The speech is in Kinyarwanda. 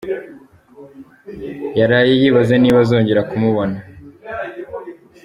Yaraye yibaza niba azongera kumubona.